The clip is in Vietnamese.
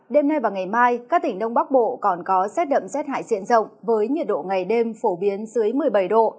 đêm nay và ngày mai các tỉnh đông bắc bộ còn có rét đậm rét hại diện rộng với nhiệt độ ngày đêm phổ biến dưới một mươi bảy độ